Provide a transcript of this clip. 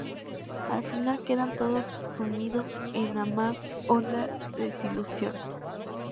Al final quedan todos sumidos en la más honda desilusión.